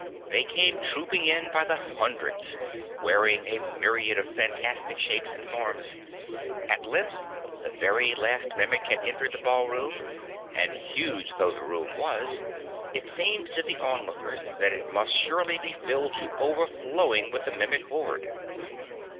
They came trooping in by the hundreds, wearing a myriad of fantastic shapes and forms. At length the very last Mimic had entered the ballroom, and, huge though the room was, it seemed to the onlookers that it must surely be filled to overflowing with the Mimic horde.